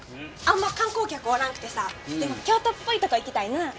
あんま観光客おらんくてさでも京都っぽいとこ行きたいなぁ。